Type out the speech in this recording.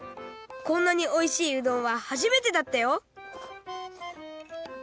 こんなにおいしいうどんははじめてだったよ！